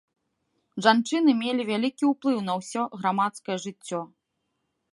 Жанчыны мелі вялікі ўплыў на ўсё грамадскае жыццё.